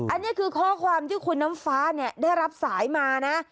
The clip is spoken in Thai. อันนี้คือข้อความที่คุณน้ำฟ้าเนี่ยได้รับสายมานะ